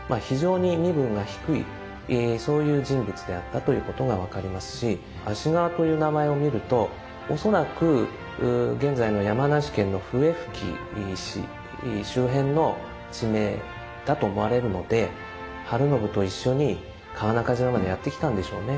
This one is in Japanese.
非常に身分が低いそういう人物であったということが分かりますし蘆川という名前を見ると恐らく現在の山梨県の笛吹市周辺の地名だと思われるので晴信と一緒に川中島までやって来たんでしょうね。